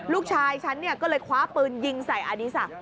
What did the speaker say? ลูกชายฉันก็เลยคว้าปืนยิงใส่อดีศักดิ